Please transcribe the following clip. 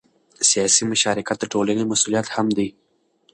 سیاسي مشارکت د ټولنې مسؤلیت هم دی